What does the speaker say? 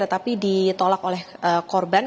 tetapi ditolak oleh korban